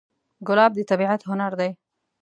ګلاب د طبیعت هنر دی.